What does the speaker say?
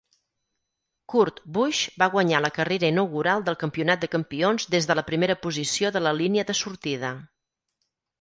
Kurt Busch va guanyar la carrera inaugural del campionat de camions des de la primera posició de la línia de sortida.